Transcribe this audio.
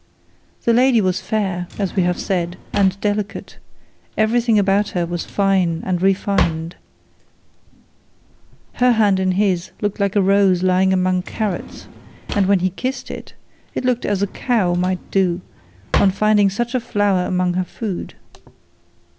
The lady was fair, as we have said, and delicate; every thing about her was fine and refined; her hand in his looked like a rose lying among carrots, and when he kissed it he looked as a cow might do on finding such a flower among her food.